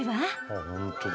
あっ本当だ。